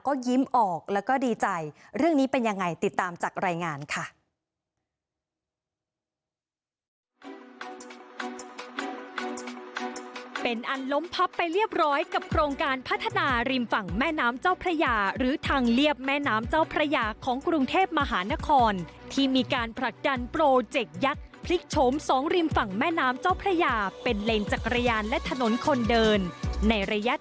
ก็ยิ้มออกแล้วก็ดีใจเรื่องนี้เป็นยังไงติดตามจากรายงานค่ะ